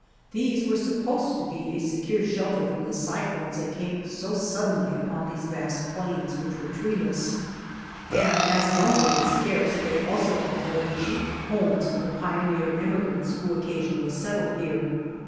These were supposed to be a secure slielter from the cyclones that came so suddenly upon these vast plains which were treeless; and as lumber was scarce they also afforded cheap homes for the pioneer emi grants who occasionally settled here.